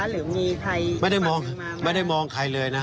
หรือมีใครไม่ได้มองไม่ได้มองใครเลยนะ